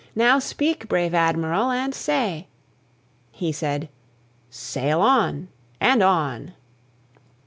Now speak, brave Admiral, and say " He said: "Sail on! and on!"